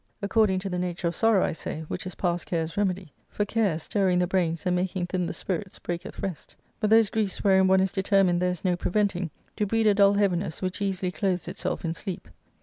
According to the nature of sorrow, I say, which is past care's remedy ; for care, stirring die brains and making thin the spirits, breaketh rest ; but those griefs wherein one is determined there is no preventing, do breed a dull heaviness which easily clothes itself in sleep.